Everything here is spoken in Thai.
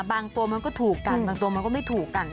บางตัวมันก็ถูกกันบางตัวมันก็ไม่ถูกกัน